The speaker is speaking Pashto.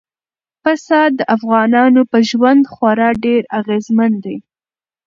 پسه د افغانانو په ژوند خورا ډېر اغېزمن دی.